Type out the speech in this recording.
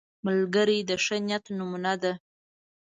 ملګری د ښه نیت نمونه ده